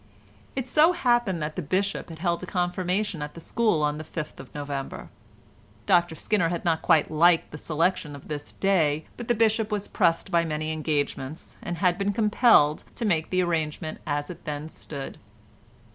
It so happened that the bishop had held a confirmation at the school on the fifth of November. Dr Skinner had not quite liked the selection of this day, but the bishop was pressed by many engagements, and had been compelled to make the arrangement as it then stood.